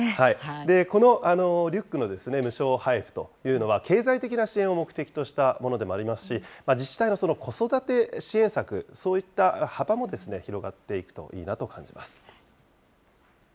このリュックの無償配布というのは、経済的な支援を目的としたものでもありますし、自治体の子育て支援策、そういった幅も広がっていくといいなと感じます。